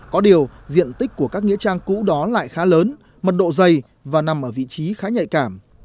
có điều diện tích của các nghĩa trang cũ đó lại khá lớn mật độ dày và nằm ở vị trí khá nhạy cảm